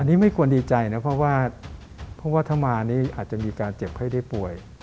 อันนี้ไม่ควรดีใจนะเพราะว่าเพราะว่าถ้ามานี่อาจจะมีการเจ็บไข้ได้ป่วย